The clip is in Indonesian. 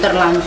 di rumah pak